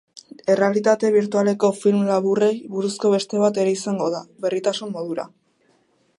Errealitate birtualeko film laburrei buruzko beste bat ere izango da, berritasun modura.